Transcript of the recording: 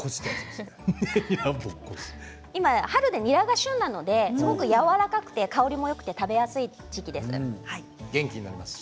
今春で、にらが旬なので、すごく香りもよくて、やわらかくて食べやすいです。